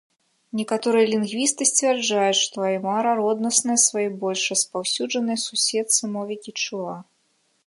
Некаторыя лінгвісты сцвярджаюць, што аймара роднасная сваёй больш распаўсюджанай суседцы, мове кечуа.